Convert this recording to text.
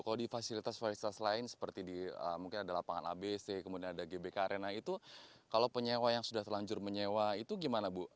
kalau di fasilitas fasilitas lain seperti di mungkin ada lapangan abc kemudian ada gbk arena itu kalau penyewa yang sudah terlanjur menyewa itu gimana bu